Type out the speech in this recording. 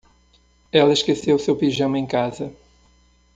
Ela esqueceu seu pijama em casa.